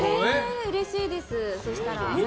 うれしいです、そしたら。